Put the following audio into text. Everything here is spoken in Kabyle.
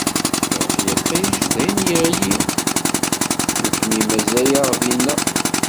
Iṛuḥ yiṭij d ayen yeɣli, nekkni mazal-aɣ dinna.